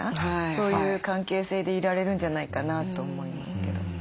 そういう関係性でいられるんじゃないかなと思いますけど。